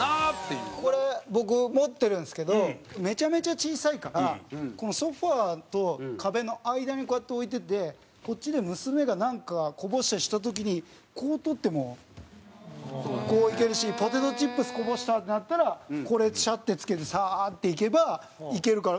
品川：これ、僕持ってるんですけどめちゃめちゃ小さいからこのソファと壁の間にこうやって置いててこっちで、娘が、なんかこぼしたりした時にこう取っても、こういけるしポテトチップスこぼしたってなったらこれ、シャッて付けてサーっていけば、いけるから。